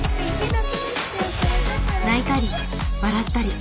泣いたり笑ったり。